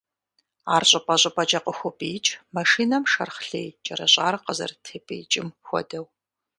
Ар щӏыпӏэ-щӏыпӏэкӏэ «къыхопӏиикӏ», машинэм шэрхъ лей кӏэрыщӏар къызэрытепӏиикӏым хуэдэу.